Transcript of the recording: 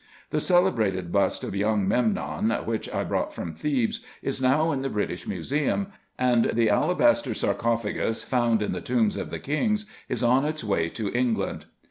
The celebrated bust of young Memnon, which I brought from Thebes, is now in the British Museum ; and the alabaster sarcophagus, found in the tombs of the kings, is on its way to England.